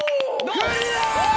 クリア！